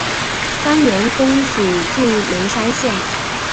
专员公署驻眉山县。